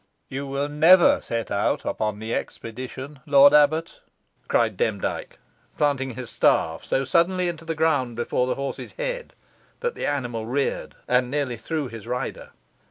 "You will never set out upon the expedition, lord abbot," cried Demdike, planting his staff so suddenly into the ground before the horse's head that the animal reared and nearly threw his rider.